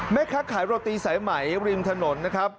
แม่ค้าขายโรตีสายไหมริมถนนนะครับ